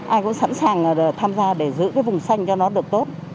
ai cũng sẵn sàng tham gia để giữ cái vùng xanh cho nó được tốt